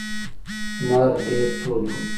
لمر ډیر تود و.